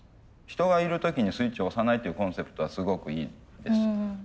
人がいる時にスイッチを押さないというコンセプトはすごくいいです。